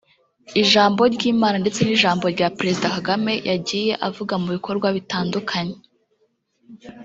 ijambo ry’Imana ndetse n’ijambo rya Perezida Kagame yagiye avuga mu bikorwa bitandukanye